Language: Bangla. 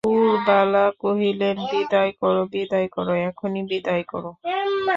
পুরবালা কহিলেন, বিদায় করো, বিদায় করো, এখনই বিদায় করো।